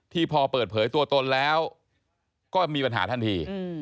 พอเปิดเผยตัวตนแล้วก็มีปัญหาทันที